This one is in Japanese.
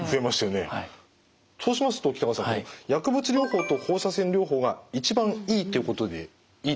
そうしますと北川さん薬物療法と放射線療法が一番いいってことでいいですか？